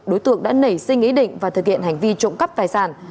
đối tượng đã nảy sinh ý định và thực hiện hành vi trộm cắp tài sản